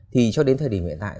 thì cho đến thời điểm hiện tại